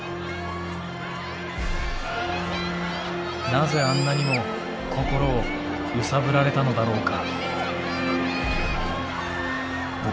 なぜあんなにも心を揺さぶられたのだろうか。